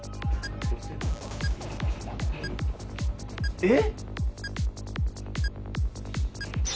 えっ？